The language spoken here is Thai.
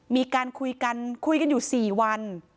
มีการคุยกันคุยกันอยู่๔วัน